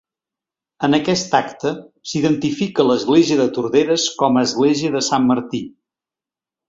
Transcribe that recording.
En aquesta acta s'identifica l'església de Torderes com a església de Sant Martí.